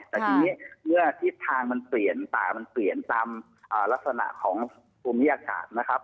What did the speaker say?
แต่ทีนี้เมื่อทิศทางมันเปลี่ยนป่ามันเปลี่ยนตามลักษณะของภูมิอากาศนะครับ